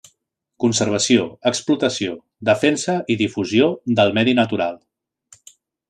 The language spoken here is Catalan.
Conservació, explotació, defensa i difusió del medi natural.